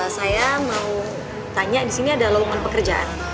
saya mau tanya disini ada lowongan pekerjaan